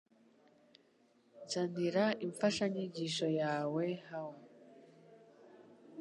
Nzanira Imfashanyigisho yawe hao